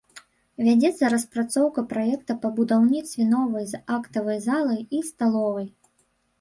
Вядзецца распрацоўка праекта па будаўніцтве новай з актавай залай і сталовай.